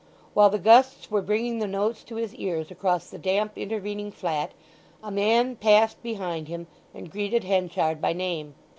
While the gusts were bringing the notes to his ears across the damp intervening flat a man passed behind him and greeted Henchard by name.